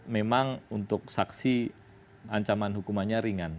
memang untuk saksi ancaman hukumannya ringan